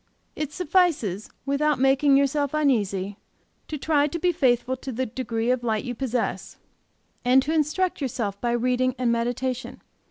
It suffices, without making yourself uneasy, to try to be faithful to the degree of light you possess, and to instruct yourself by reading and meditation.